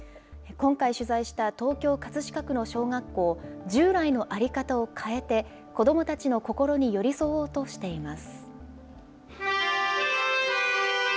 今回取材した東京・葛飾区の小学校、従来の在り方を変えて、子どもたちの心に寄り添おうとしています。